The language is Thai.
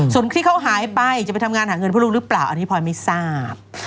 ส่วนที่เขาหายไปจะไปทำงานหาเงินเพื่อลูกหรือเปล่าอันนี้พลอยไม่ทราบ